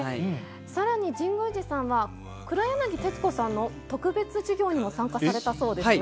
さらに、神宮寺さんは黒柳徹子さんの特別授業にも参加されたそうですね。